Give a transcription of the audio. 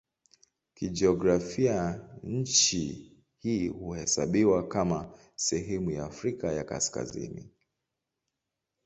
Kijiografia nchi hii huhesabiwa kama sehemu ya Afrika ya Kaskazini.